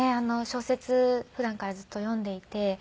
小説普段からずっと読んでいて。